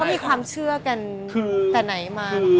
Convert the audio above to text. มีความเชื่อกันแต่ไหนมา